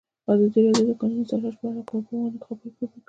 ازادي راډیو د د کانونو استخراج په اړه د کارپوهانو خبرې خپرې کړي.